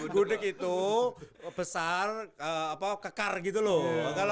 gudeg itu besar kekar gitu loh